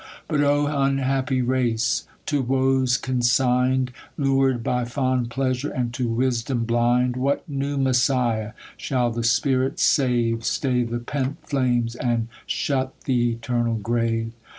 But O unhappy race ! to woes consignM, Lur'd by fond pleasure, and to wisdom blind, What new Messiah shall the spirit save, Stay the pent flames, and shut th' eternal grave?